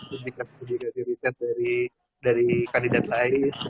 kebijakan kebijakan politik dari kandidat lain